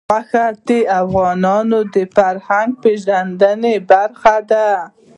غوښې د افغانانو د فرهنګي پیژندنې برخه ده.